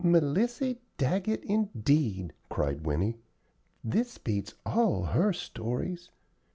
"Melissy Daggett, indeed!" cried Winnie. "This beats all her stories.